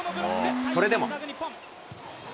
それでも。